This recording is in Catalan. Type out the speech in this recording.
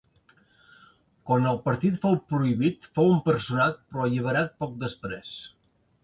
Quan el partit fou prohibit fou empresonat però alliberat poc després.